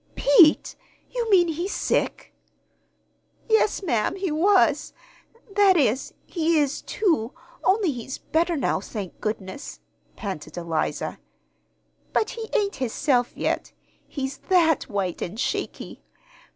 "Pete! You mean he's sick?" "Yes, ma'am, he was. That is, he is, too only he's better, now, thank goodness," panted Eliza. "But he ain't hisself yet. He's that white and shaky!